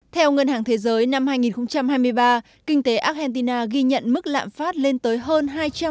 theo ngân hàng thế giới năm hai nghìn hai mươi ba kinh tế argentina ghi nhận mức lạm phát lên tới hơn hai trăm một mươi một